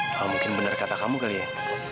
kalau mungkin benar kata kamu kali ya